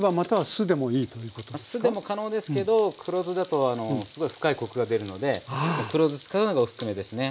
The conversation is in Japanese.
酢でも可能ですけど黒酢だとすごい深いコクが出るので黒酢使うのがおすすめですね。